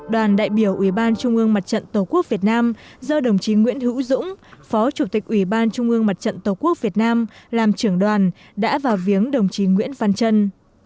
đoàn đại biểu ủy ban trung ương mặt trận tổ quốc việt nam do đồng chí nguyễn hữu dũng phó chủ tịch ủy ban trung ương mặt trận tổ quốc việt nam làm trưởng đoàn đã vào viếng đồng chí nguyễn văn trân